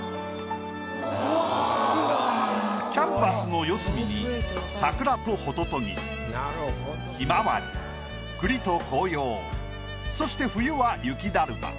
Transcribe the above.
キャンバスの四隅に桜とホトトギスヒマワリ栗と紅葉そして冬は雪だるま。